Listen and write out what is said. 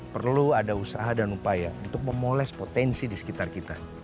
perlu ada usaha dan upaya untuk memoles potensi di sekitar kita